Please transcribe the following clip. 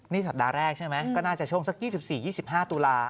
นี่สัปดาห์แรกใช่ไหมก็น่าจะช่วงสัก๒๔๒๕ตุลา